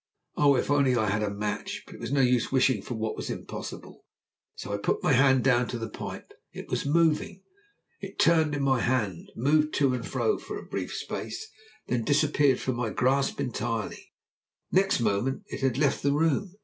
Oh, if only I had a match! But it was no use wishing for what was impossible, so I put my hand down to the pipe. It was moving! It turned in my hand, moved to and fro for a brief space and then disappeared from my grasp entirely; next moment it had left the room.